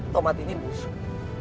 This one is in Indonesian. tomat ini busuk